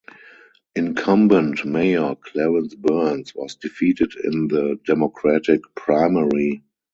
Incumbent mayor Clarence Burns was defeated in the Democratic primary.